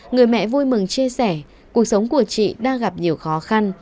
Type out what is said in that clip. người mẹ vui mừng chia sẻ cuộc sống của chị đang gặp nhiều khó khăn